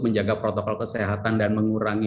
menjaga protokol kesehatan dan mengurangi